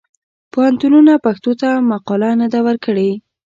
پوهنتونونه پښتو ته مقاله نه ده ورکړې.